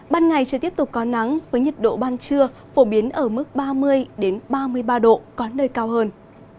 ban ngày trời tiếp tục có nắng với nhiệt độ ban trưa phổ biến ở mức ba mươi ba mươi ba độ có nơi cao hơn